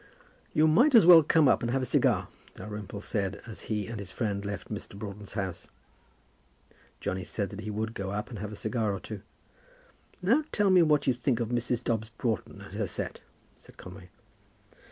"You might as well come up and have a cigar," Dalrymple said, as he and his friend left Mr. Broughton's house. Johnny said that he would go up and have a cigar or two. "And now tell me what you think of Mrs. Dobbs Broughton and her set," said Conway.